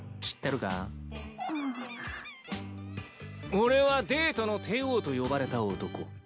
俺はデートの帝王と呼ばれた男。